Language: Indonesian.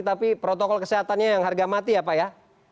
tapi protokol kesehatannya yang harga mati ya pak ya